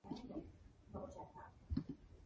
This was a new tract of life suddenly opened before her.